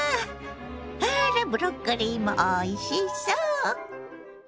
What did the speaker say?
あらブロッコリーもおいしそう。